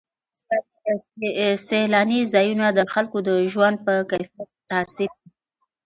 سیلاني ځایونه د خلکو د ژوند په کیفیت تاثیر کوي.